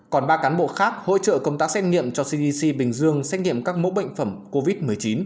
còn ba cán bộ khác hỗ trợ công tác xét nghiệm cho cdc bình dương xét nghiệm các mẫu bệnh phẩm covid một mươi chín